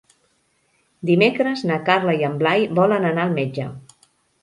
Dimecres na Carla i en Blai volen anar al metge.